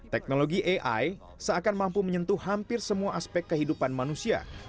teknologi ai seakan mampu menyentuh hampir semua aspek kehidupan manusia